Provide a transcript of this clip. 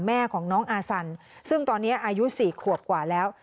แม่ของน้องอาซันซึ่งตอนนี้อายุ๔ขวบกว่าแล้ว